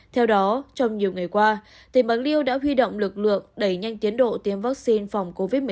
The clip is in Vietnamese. theo đó trong nhiều ngày qua tp hcm đã huy động lực lượng đẩy nhanh tiến độ tiêm vaccine phòng covid một mươi chín